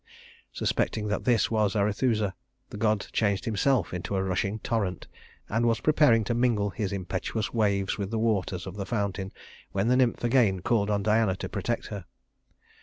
Suspecting that this was Arethusa, the god changed himself into a rushing torrent, and was preparing to mingle his impetuous waves with the waters of the fountain, when the nymph again called on Diana to protect her.